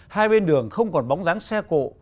hai bên đường không còn bóng dáng xe cộ